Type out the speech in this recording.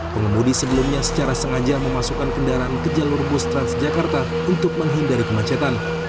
pengemudi sebelumnya secara sengaja memasukkan kendaraan ke jalur bus transjakarta untuk menghindari kemacetan